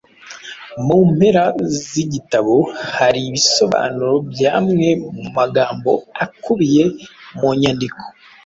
Mu mpera z’igitabo hari ibisobanuro by’amwe mu magambo akubiye mu myandiko.